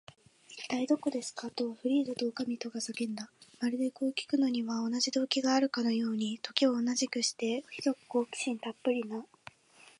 「いったい、どこですか？」と、フリーダとおかみとが叫んだ。まるで、こうきくのには同じ動機があるかのように、時を同じくして、ひどく好奇心たっぷりな